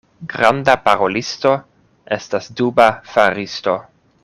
Granda parolisto estas duba faristo.